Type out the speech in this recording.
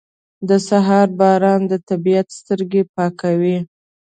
• د سهار باران د طبیعت سترګې پاکوي.